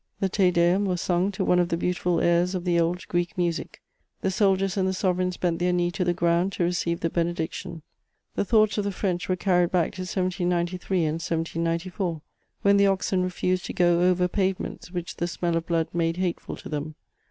The Te Deum was sung to one of the beautiful airs of the old Greek music. The soldiers and the sovereigns bent their knee to the ground to receive the benediction. The thoughts of the French were carried back to 1793 and 1794, when the oxen refused to go over pavements which the smell of blood made hateful to them.